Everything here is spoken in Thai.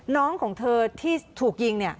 น้องของเธอที่ถูกยิงเนี่ย